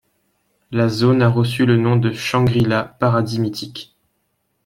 La zone a reçu le nom de Shangri-La, paradis mythique.